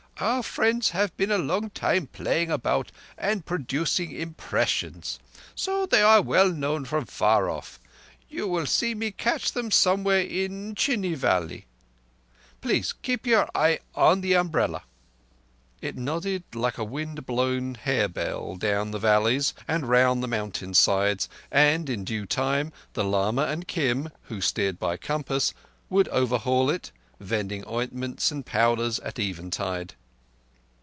Our friends have been a long time playing about and producing impressions. So they are well known from far off. You will see me catch them somewhere in Chini valley. Please keep your eye on the umbrella." It nodded like a wind blown harebell down the valleys and round the mountain sides, and in due time the lama and Kim, who steered by compass, would overhaul it, vending ointments and powders at eventide.